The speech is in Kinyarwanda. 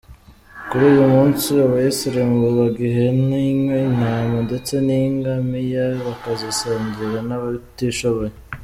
Kuri uyu munsi Abayisiramu babaga ihene, inka, intama ndetse n’ingamiya bakazisangira n’abatishoboye.